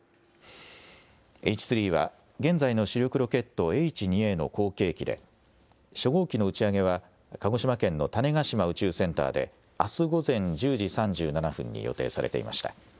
Ｈ３は、現在の主力ロケット、Ｈ２Ａの後継機で、初号機の打ち上げは、鹿児島県の種子島宇宙センターであす午前１０時３７分に予定されていました。